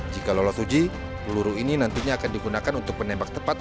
jika lolos uji peluru ini nantinya akan digunakan untuk penembak tepat